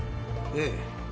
ええ。